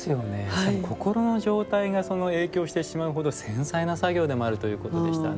しかも心の状態が影響してしまうほど繊細な作業でもあるということでしたね。